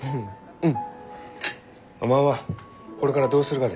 うん。